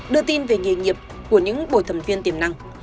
đưa tin về nghề nghiệp của những bồi thẩm viên tiềm năng